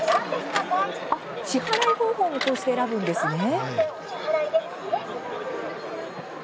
支払い方法もこうして選ぶんですね。